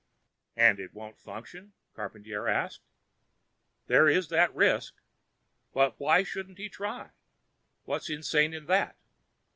"And it won't function?" Charpantier asked. "There is that risk. But why shouldn't he try? What's insane in that?"